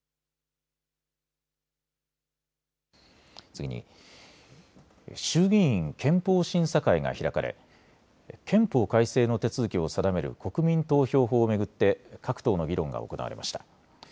次に、衆議院憲法審査会が開かれ憲法改正の手続きを定める国民投票法を巡って各党の議論が行われました。